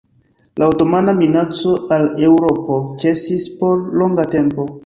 La otomana minaco al Eŭropo ĉesis por longa tempo.